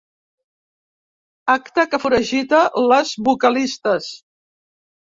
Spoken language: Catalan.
Acte que foragita les vocalistes.